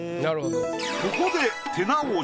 ここで。